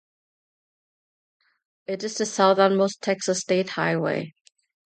It is the southernmost Texas state highway.